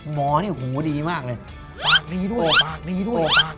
หมอนี่หูดีมากเลยปากดีด้วย